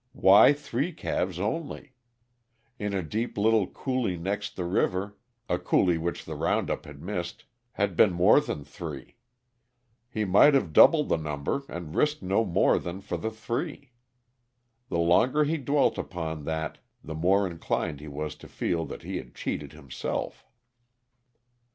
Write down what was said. Why three calves only? In a deep little coulee next the river a coulee which the round up had missed had been more than three. He might have doubled the number and risked no more than for the three. The longer he dwelt upon that the more inclined he was to feel that he had cheated himself.